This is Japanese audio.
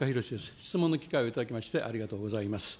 質問の機会を頂きましてありがとうございます。